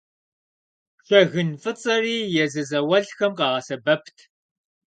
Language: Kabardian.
Шэгын фӏыцӏэри езы зауэлӏхэм къагъэсэбэпт.